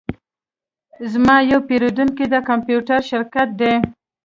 زما یو پیرودونکی د کمپیوټر شرکت دی